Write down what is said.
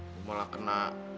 gue malah kena